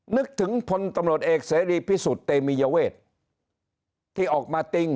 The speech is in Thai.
นึกถึงพลตำรวจเอกเสรีพิสุทธิ์เตมียเวทที่ออกมาติ้ง